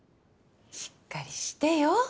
しっかりしてよ。